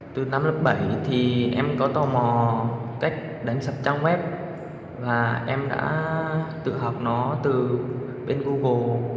từ năm lớp bảy thì em có tò mò cách đánh sập trang web và em đã tự học nó từ bên google